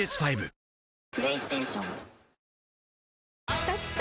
きたきた！